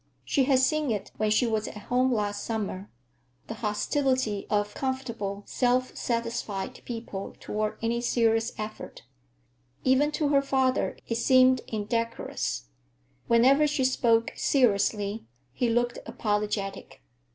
She had seen it when she was at home last summer,—the hostility of comfortable, self satisfied people toward any serious effort. Even to her father it seemed indecorous. Whenever she spoke seriously, he looked apologetic.